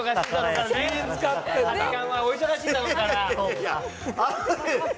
お忙しいだろうからね。